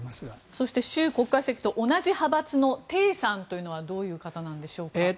そして習国家主席と同じ派閥のテイさんというのはどういう方なんでしょうか。